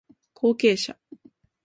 後継者